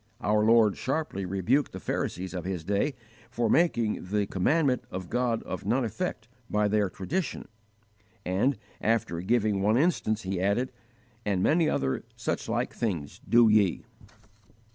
Our Lord sharply rebuked the Pharisees of His day for making "the commandment of God of none effect by their tradition," and, after giving one instance, He added, "and many other such like things do ye."